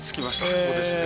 ここですね。